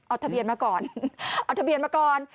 เอาทะเบียนมาก่อนเอาทะเบียนมาก่อน